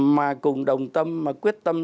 mà cùng đồng tâm mà quyết tâm